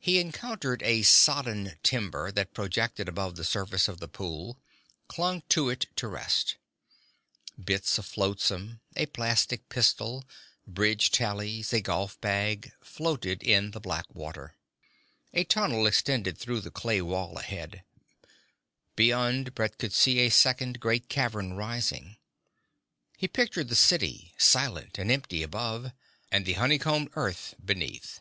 He encountered a sodden timber that projected above the surface of the pool, clung to it to rest. Bits of flotsam a plastic pistol, bridge tallies, a golf bag floated in the black water. A tunnel extended through the clay wall ahead; beyond, Brett could see a second great cavern rising. He pictured the city, silent and empty above, and the honey combed earth beneath.